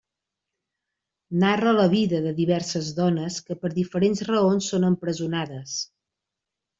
Narra la vida de diverses dones que per diferents raons són empresonades.